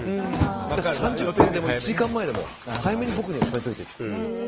だから、３０分前でも１時間前でも早めに僕には伝えておいてって。